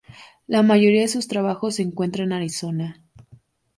La mayoría de sus trabajos se encuentran en Arizona.